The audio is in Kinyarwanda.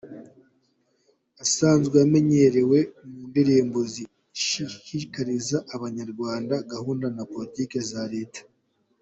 Asanzwe amenyerewe mu ndirimbo zishishikariza Abanyarwanda gahunda na politike za Leta.